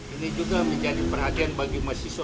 ini juga menjadi perhatian bagi mahasiswa